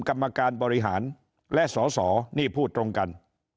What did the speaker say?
กรรมการบริหารและสอสอนี่พูดตรงกัน